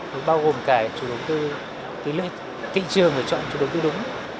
thì bao gồm cả chủ đồng tư tỷ lệ thị trường và chọn chủ đồng tư đúng